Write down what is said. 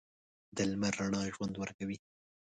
د لمر رڼا ژوند ورکوي.